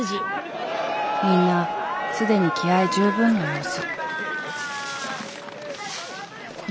みんな既に気合い十分の様子。